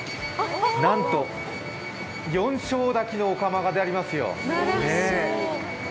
なんと４升炊きのお釜がありますよ。